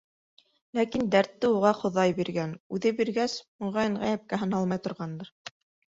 Ләкин дәртте уға Хоҙай биргән, үҙе биргәс, моғайын, ғәйепкә һаналмай торғандыр.